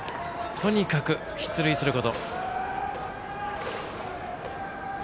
とにかく出塁すること。